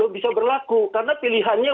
bisa berlaku karena pilihannya